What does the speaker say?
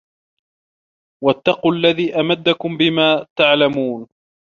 وَاتَّقُوا الَّذي أَمَدَّكُم بِما تَعلَمونَ